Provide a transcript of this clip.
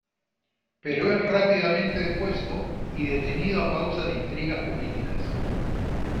Pero es rápidamente depuesto y detenido a causa de intrigas políticas.